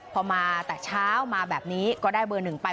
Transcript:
พอมาแต่เช้ามาแบบนี้ก็ได้เบอร์หนึ่งไป